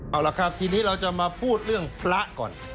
เอาละครับทีนี้เราจะมาพูดเรื่องพระก่อน